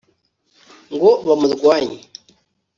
ngo bamurwanye